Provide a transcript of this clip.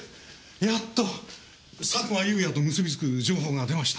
やっと佐久間有也と結びつく情報が出ました。